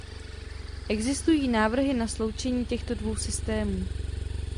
Existují návrhy na sloučení těchto dvou systémů.